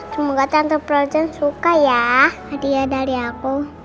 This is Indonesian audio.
semoga tante projon suka ya hadiah dari aku